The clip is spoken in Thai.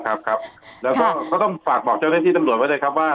ครับครับแล้วก็ก็ต้องฝากบอกเจ้าหน้าที่ตำรวจไว้เลยครับว่า